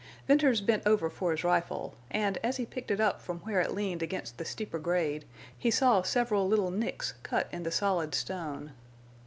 Venters bent over for his rifle, and, as he picked it up from where it leaned against the steeper grade, he saw several little nicks cut in the solid stone.